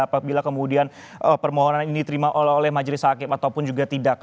apabila kemudian permohonan ini diterima oleh majelis hakim ataupun juga tidak